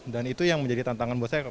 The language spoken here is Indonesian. dan itu yang menjadi tantangan buat saya